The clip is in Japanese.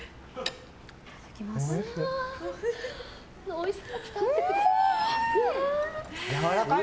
おいしい。